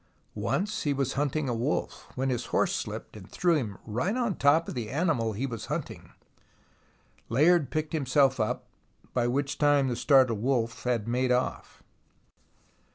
Once he was hunting a wolf, when his horse slipped and threw him right on top of the animal he was hunting. Layard picked himself up, by which time the startled wolf had made off.